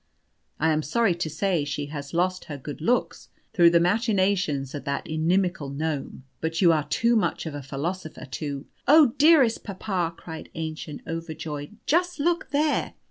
I am sorry to say she has lost her good looks, through the machinations of that inimical gnome; but you are too much of a philosopher to " "Oh, dearest papa," cried Aennchen, overjoyed; "just look there!